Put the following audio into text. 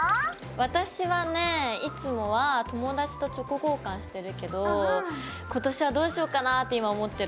私はねいつもは友達とチョコ交換してるけど今年はどうしようかなって今思ってる。